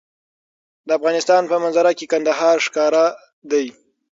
د افغانستان په منظره کې کندهار ښکاره ده.